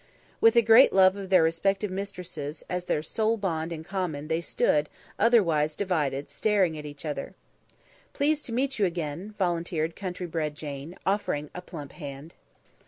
With a great love of their respective mistresses as their sole bond in common they stood, otherwise divided, staring at each other. "Pleased to meet you again," volunteered country bred Jane, offering a plump hand.